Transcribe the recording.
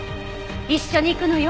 一緒に行くのよ